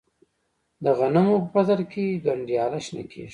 د غنمو په فصل کې گنډیاله شنه کیږي.